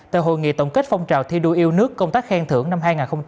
tại hội nghị tổng kết phong trào thi đua yêu nước công tác khen thưởng năm hai nghìn hai mươi